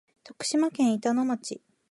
徳島県板野町